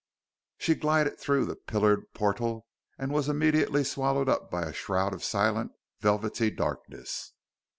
She glided through the pillared portal and was immediately swallowed up by a shroud of silent, velvety darkness.